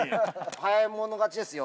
早い者勝ちですよ。